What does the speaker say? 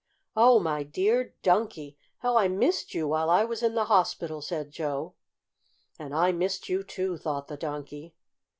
"Oh, my dear Donkey! how I missed you while I was in the hospital," said Joe. "And I missed you, too," thought the Donkey.